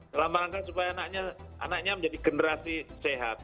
dalam rangka supaya anaknya menjadi generasi sehat